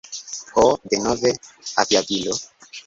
Ho, denove aviadilo.